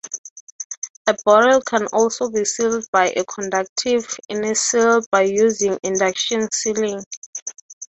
A bottle can also be sealed by a conductive "innerseal" by using induction sealing.